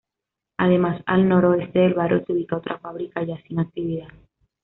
Además, al noroeste del barrio se ubica otra fábrica ya sin actividad.